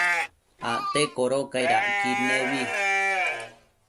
Acte codocaid acquid nebi